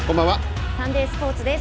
サンデースポーツです。